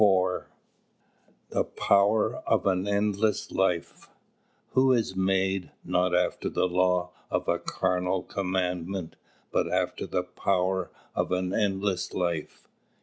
III The Power of an Endless Life _Who is made, not after the law of a carnal commandment, but after the power of an endless life.